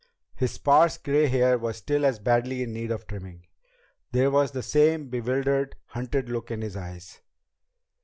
His sparse gray hair was still as badly in need of trimming. There was the same bewildered, hunted look in his eyes.